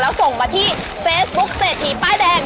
แล้วส่งมาที่เฟซบุ๊คเศรษฐีป้ายแดง